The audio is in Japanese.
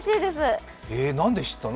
なんで知ったの？